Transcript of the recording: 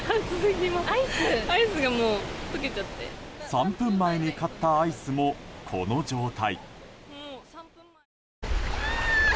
３分前に買ったアイスもこの状態。